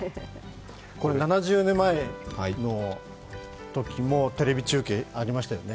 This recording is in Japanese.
７０年前のときもテレビ中継ありましたよね。